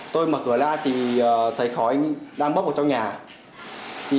tôi mở cửa ra thì thấy khói đang bốc ở trong nhà